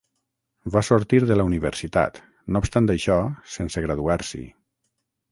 Va sortir de la universitat, no obstant això, sense graduar-s'hi.